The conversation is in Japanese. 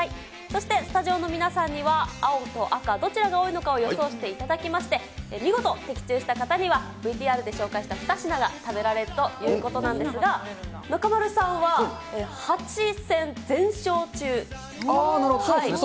そしてスタジオの皆さんには、青と赤、どちらが多いのかを予想していただきまして、見事的中した方にはＶＴＲで紹介した２品が食べられるということなんですが、中丸さんは８戦全勝中。